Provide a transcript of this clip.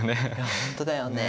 本当だよね。